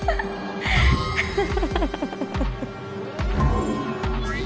フフフフ。